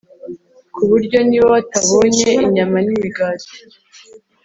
ku buryo niba batabonye inyama nimigati